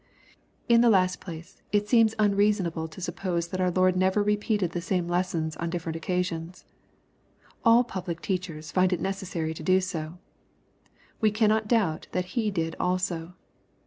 In the last place, it seems unreasonable to suppose that our Lord never repeated the same lessons on different occasions. All public teachers find it necessary to do so. We cannot doubt that He did also.